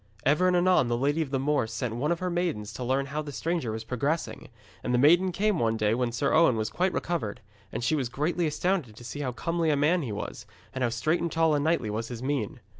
Ever and anon the Lady of the Moors sent one of her maidens to learn how the stranger was progressing, and the maiden came one day when Sir Owen was quite recovered, and she was greatly astounded to see how comely a man he was, and how straight and tall and knightly was his mien.